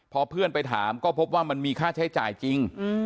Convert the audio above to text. พอเพื่อนไปถามก็พบว่ามันมีค่าใช้จ่ายจริง